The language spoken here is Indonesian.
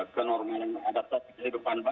ke normal yang ada tetapi kehidupan baru